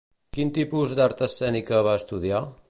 Quin tipus d'art escènica va estudiar?